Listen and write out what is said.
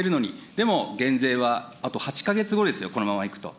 でも、減税はあと８か月後ですよ、このままいくと。